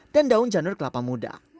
dan daun janur kelapa muda